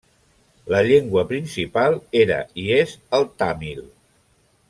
La llengua principal era i és el tàmil.